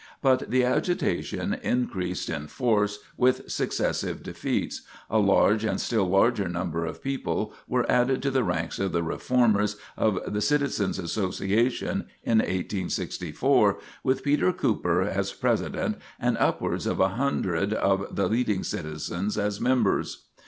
But the agitation increased in force with successive defeats, a large and still larger number of people were added to the ranks of the reformers of the Citizens' Association in 1864, with Peter Cooper as President and upwards of a hundred of the leading citizens as members.